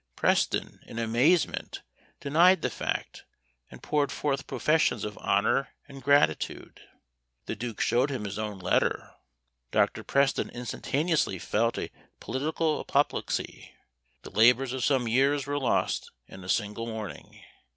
Preston, in amazement, denied the fact, and poured forth professions of honour and gratitude. The duke showed him his own letter. Dr. Preston instantaneously felt a political apoplexy; the labours of some years were lost in a single morning.